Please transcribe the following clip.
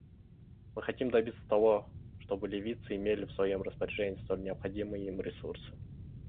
Мы хотим добиться того, чтобы ливийцы имели в своем распоряжении столь необходимые им ресурсы.